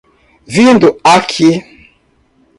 Vindo aqui